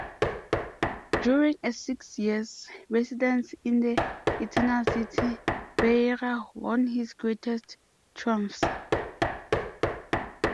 During a six years' residence in the Eternal City, Vieira won his greatest triumphs.